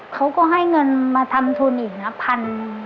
เขาก็ให้เงินมาทำทุนอีกนะพัน